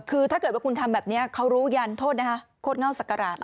คือถ้าเกิดว่าคุณทำแบบนี้เขารู้ยันโทษนะคะโคตรเง่าศักราช